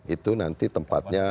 itu nanti tempatnya